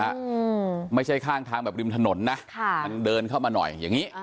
อืมไม่ใช่ข้างทางแบบริมถนนนะค่ะมันเดินเข้ามาหน่อยอย่างงี้